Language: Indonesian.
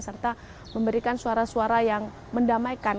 serta memberikan suara suara yang mendamaikan